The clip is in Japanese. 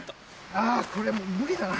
あこれもう無理だな。